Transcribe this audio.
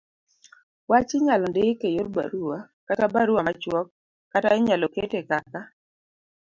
wach Inyalo ndik e yor barua ,kata barua machuok, kata inyalo kete kaka